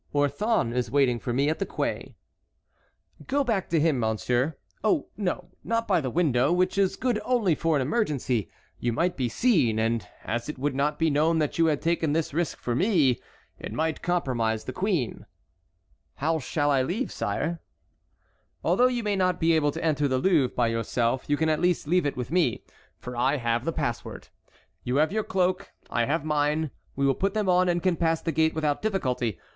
"Orthon is waiting for me at the quay." "Go back to him, monsieur. Oh, no, not by the window, which is good only for an emergency. You might be seen, and as it would not be known that you had taken this risk for me, it might compromise the queen." "How shall I leave, sire?" "Although you may not be able to enter the Louvre by yourself, you can at least leave it with me, for I have the password. You have your cloak, I have mine; we will put them on and can pass the gate without difficulty.